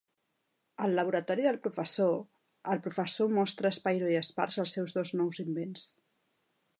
Al laboratori del Professor, el Professor mostra a Spyro i Sparx els seus dos nous invents.